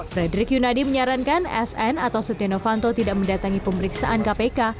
frederick yunadi menyarankan sn atau setia novanto tidak mendatangi pemeriksaan kpk